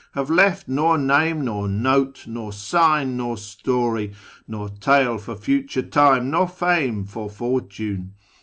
Have left nor name, nor note, nor sign, nor story, Nor tale for future time, nor fame for fortune.